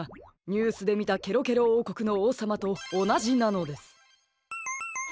ニュースでみたケロケロおうこくのおうさまとおなじなのです。